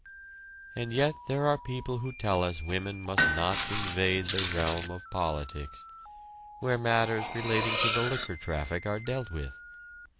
And yet there are people who tell us women must not invade the realm of politics, where matters relating to the liquor traffic are dealt with.